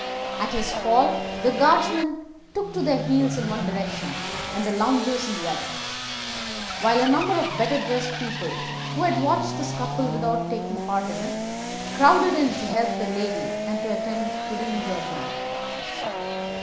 At his fall the guardsmen took to their heels in one direction and the loungers in the other, while a number of better dressed people who had watched the scuffle without taking part in it crowded in to help the lady and to attend to the injured man.